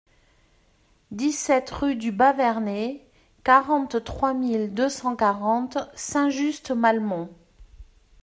dix-sept rue du Bas-Vernay, quarante-trois mille deux cent quarante Saint-Just-Malmont